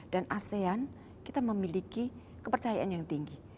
dan asean kita memiliki kepercayaan yang tinggi